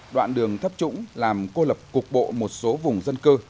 đoạn đường thấp trũng làm cô lập cục bộ một số vùng dân cư